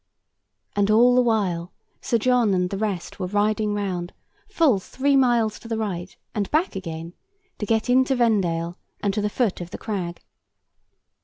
And all the while Sir John and the rest were riding round, full three miles to the right, and back again, to get into Vendale, and to the foot of the crag.